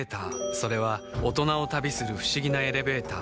それは大人を旅する不思議なエレベーター